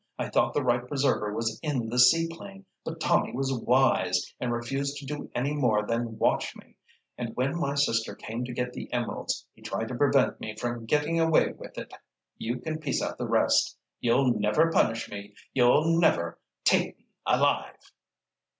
I thought the right preserver was in the seaplane, but Tommy was 'wise,' and refused to do any more than watch me, and when my sister came to get the emeralds, he tried to prevent me from getting away with it. You can piece out the rest. You'll never punish me! You'll never—take me alive!"